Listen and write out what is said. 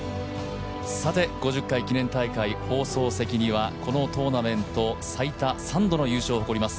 ５０回記念大会放送席にはこのトーナメント最多３度の優勝を誇ります